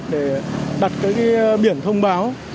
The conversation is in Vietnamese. để đặt cái biển thông báo